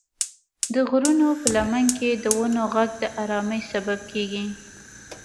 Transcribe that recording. د غرونو په لمن کې د ونو غږ د ارامۍ سبب کېږي.